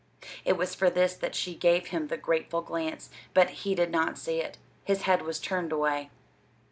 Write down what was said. It was for this that she gave him the grateful glance but he did not see it. His head was turned away.